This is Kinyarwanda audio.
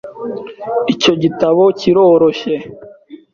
Icyo gitabo kiroroshye .